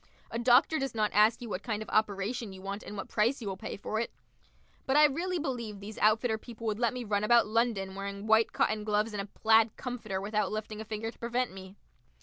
A doctor does not ask you what kind of operation you want and what price you will pay for it. But I really believe these outfitter people would let me run about London wearing white cotton gloves and a plaid comforter without lifting a finger to prevent me.